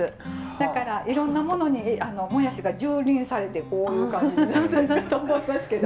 だからいろんなものにもやしが蹂躙されてこういう感じになってるかと思いますけど。